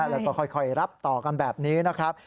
แล้วก็ค่อยรับต่อกันแบบนี้นะครับ